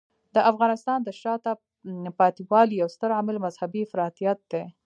د افغانستان د شاته پاتې والي یو ستر عامل مذهبی افراطیت دی.